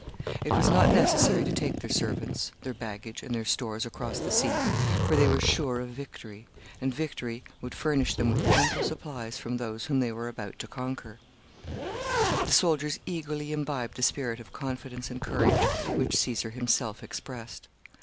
It was not necessary to take their servants, their baggage, and their stores across the sea, for they were sure of victory, and victory would furnish them with ample supplies from those whom they were about to conquer. [Sidenote: Caesar crosses the Adriatic.] The soldiers eagerly imbibed the spirit of confidence and courage which Caesar himself expressed.